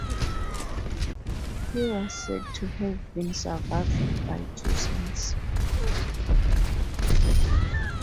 He was said to have been survived by two sons.